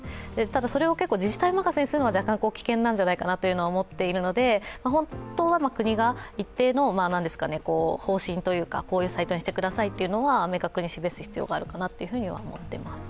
それを自治体任せにするのは若干危険なんじゃないかなと思っているので本当は国が一定の方針、こういうサイトにしてくださいというのは明確に示す必要があるとは思っています。